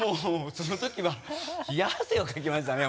そのときは冷や汗をかきましたね